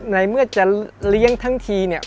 ในเมื่อจะเลี้ยงทั้งทีเนี่ย